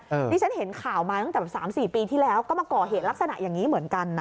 นี่ฉันเห็นข่าวมาตั้งแต่๓๔ปีที่แล้วก็มาก่อเหตุลักษณะอย่างนี้เหมือนกันนะ